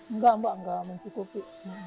enggak mbak enggak mencukupi